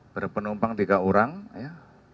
berpenumpang tiga orang ya